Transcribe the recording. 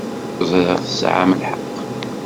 Ẓṛiɣ tesɛamt lḥeq.